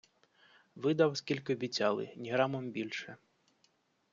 Видав, скільки обіцяли, ні грамом більше.